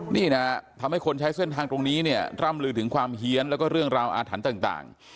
นี่นะทำให้คนใช้เส้นทางตรงนี้เนี่ยร่ำลือถึงความเฮียนแล้วก็เรื่องราวอาถรรพ์ต่าง